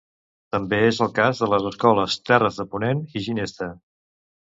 També és el cas de les escoles Terres de Ponent i Ginesta.